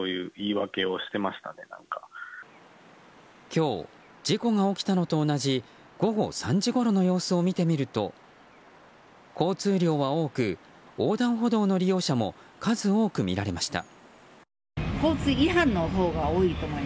今日事故が起きたのと同じ午後３時ごろの様子を見てみると交通量は多く横断歩道の利用者も数多く見られました。